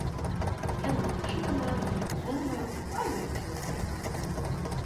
Яна начытаная, разумная, але трохі зазнайка.